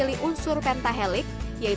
penyediaan air bersih dan mengelola sanitasi bersih